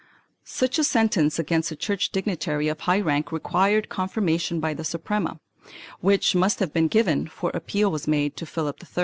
1 Such a sentence against a church dignitary of high rank required confirmation by the Suprema, which must have been given, for appeal was made to Philip III.